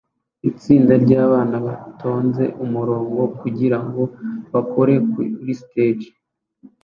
Itsinda ryabana batonze umurongo kugirango bakore kuri stage